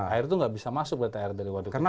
air itu tidak bisa masuk dari waduk waduk